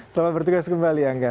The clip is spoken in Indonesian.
selamat bertugas kembali angga